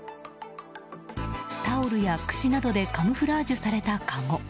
タオルや、くしなどでカムフラージュされたかご。